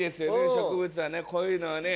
植物はねこういうのはね。